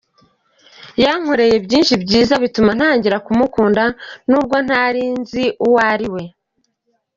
yankoreye byinshi byiza bituma ntangira kumukunda nubwo ntari nzi uwo ariwe.